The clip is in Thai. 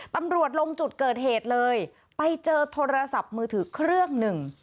ตำรวจลงจุดเกิดเหตุเลยไปเจอโทรศัพท์มือถือเครื่องหนึ่ง